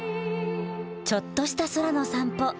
ちょっとした空の散歩。